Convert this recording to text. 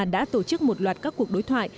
đã tổ chức một loạt các cuộc đối thoại